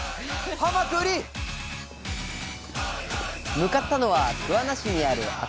向かったのは桑名市にある赤須賀漁港。